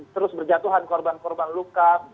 terus berjatuhan korban korban luka